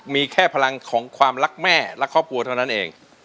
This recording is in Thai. มีแค่พลังของความรักแม่และครอบครัวเท่านั้นเอง